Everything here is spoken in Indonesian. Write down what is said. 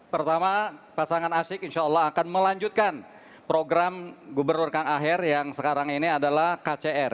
pertama pasangan asyik insya allah akan melanjutkan program gubernur kang aher yang sekarang ini adalah kcr